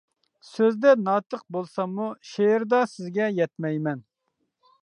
سۆزدە ناتىق بولساممۇ، شېئىردا سىزگە يەتمەيمەن.